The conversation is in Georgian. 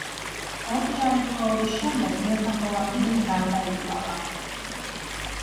ორწლიანი ტყვეობის შემდეგ ბერთა ჰოლანდიელი გარდაიცვალა.